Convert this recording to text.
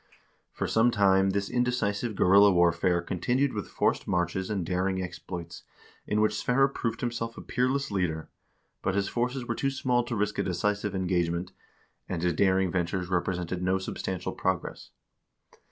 For some time this indecisive guerrilla warfare continued with forced marches and daring exploits in which Sverre proved himself a peerless leader, but his forces were too small to risk a decisive engagement, and his daring ventures represented no sub stantial progress.